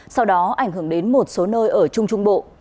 sau đó ảnh hưởng đến một số nơi ở trung trung bộ